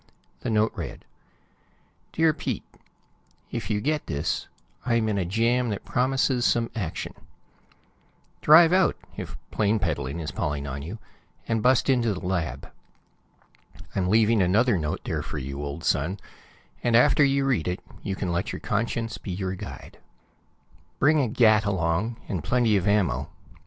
The note read: Dear Pete: If you get this, I'm in a jam that promises some action. Drive out, if plane peddling is palling on you, and bust into the lab. I'm leaving another note there for you, old son, and after you read it you can let your conscience be your guide. Bring a gat along, and plenty of ammo.